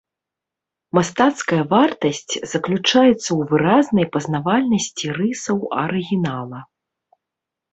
Мастацкая вартасць заключаецца ў выразнай пазнавальнасці рысаў арыгінала.